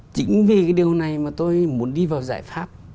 chính vì cái điều này mà tôi muốn đi vào giải pháp